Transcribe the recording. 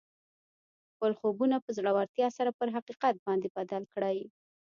خپل خوبونه په زړورتیا سره پر حقیقت باندې بدل کړئ